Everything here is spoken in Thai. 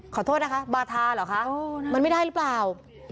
ขอโทษนะคะบาธาเหรอคะมันไม่ได้หรือเปล่า